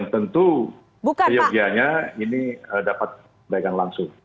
tentu peyogianya ini dapat kebaikan langsung